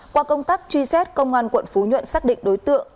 qua công tác truy xét công an quận phú nhuận xác định đối tượng